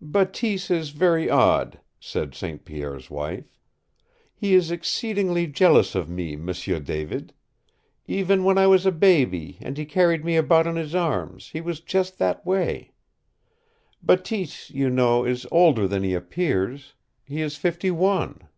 "Bateese is very odd," said St. Pierre's wife. "He is exceedingly jealous of me, M'sieu David. Even when I was a baby and he carried me about in his arms, he was just that way. Bateese, you know, is older than he appears. He is fifty one."